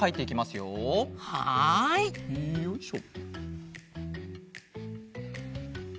よいしょ。